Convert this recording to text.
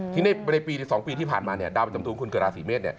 ที่ในปี๒ปีที่ผ่านมาดาวประจำตูของคนเกิดราศีเมษ